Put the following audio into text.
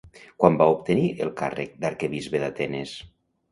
Quan va obtenir el càrrec d'arquebisbe d'Atenes?